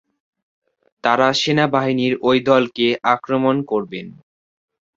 তারা সেনাবাহিনীর ওই দলকে আক্রমণ করবেন।